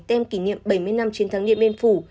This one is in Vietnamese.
tem kỷ niệm bảy mươi năm chiến thắng điện biên phủ